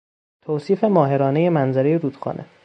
توصیف ماهرانهی منظرهی رودخانه